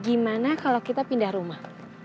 gimana kalau kita pindah rumah